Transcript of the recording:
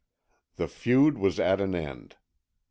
The feud was at an end.